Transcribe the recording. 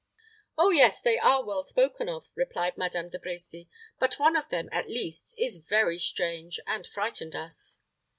"Oh yes, they are well spoken of," replied Madame De Brecy; "but one of them, at least, is very strange, and frightened us."